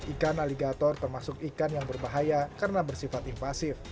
ikan aligator termasuk ikan yang berbahaya karena bersifat invasif